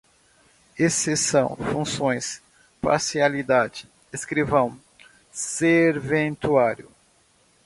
exceção, funções, parcialidade, escrivão, serventuário